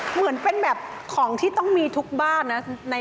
เหมือนเป็นแบบของที่ต้องมีทุกบ้านนะ